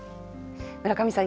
村上さん